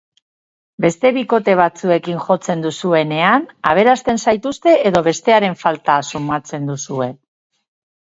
Beste bikote batzuekin jotzen duzuenean, aberasten zaituzte edo bestearen falta sumatzen duzue?